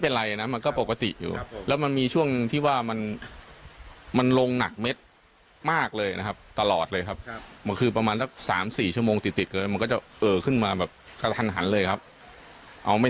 เป็นไรนะมันก็ปกติอยู่แล้วมันมีช่วงที่ว่ามันมันลงหนักเม็ดมากเลยนะครับตลอดเลยครับมันคือประมาณสักสามสี่ชั่วโมงติดติดกันมันก็จะเอ่อขึ้นมาแบบกระทันหันเลยครับเอาไม่